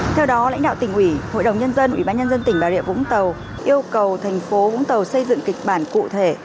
theo đó lãnh đạo tỉnh ủy hội đồng nhân dân ủy ban nhân dân tỉnh bà rịa vũng tàu yêu cầu thành phố vũng tàu xây dựng kịch bản cụ thể